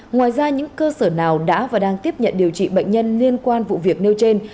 ngoài ra những cơ sở nào đã và đang tiếp nhận điều trị bệnh nhân liên quan vụ việc nêu trên